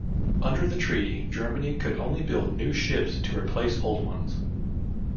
Under the treaty Germany could only build new ships to replace old ones.